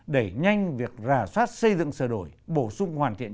để nhanh việc rà soát xây dựng sở đổi bổ sung hoàn thiện